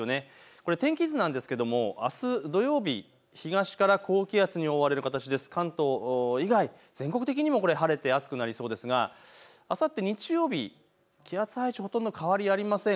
これは天気図なんですが、あす土曜日東から高気圧に覆われる形で関東以外にも全国的にも晴れて暑くなりそうなんですがあさって日曜日、気圧配置ほとんど変わりありません。